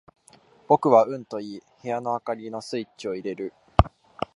僕はうんと言い、部屋の灯りのスイッチを入れる。